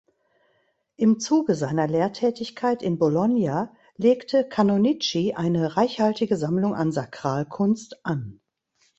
Im Zuge seiner Lehrtätigkeit in Bologna legte Canonici eine reichhaltige Sammlung an Sakralkunst an.